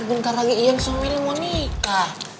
bentar lagi ijang sama mila mau nikah